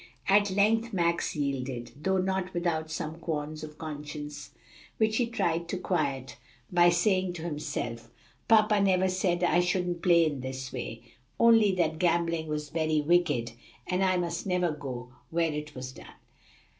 At length Max yielded, though not without some qualms of conscience which he tried to quiet by saying to himself, "Papa never said I shouldn't play in this way; only that gambling was very wicked, and I must never go where it was done."